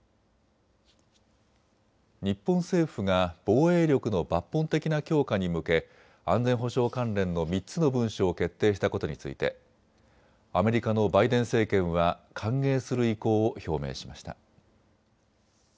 日本政府が防衛力の抜本的な強化に向け安全保障関連の３つの文書を決定したことについてアメリカのバイデン政権は歓迎する意向を表明しました。